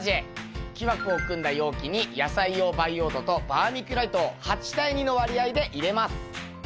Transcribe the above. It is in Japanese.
木枠を組んだ容器に野菜用培養土とバーミキュライトを８対２の割合で入れます。